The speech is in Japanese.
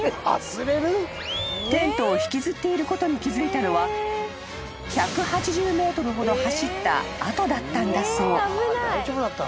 ［テントを引きずっていることに気付いたのは１８０ｍほど走った後だったんだそう］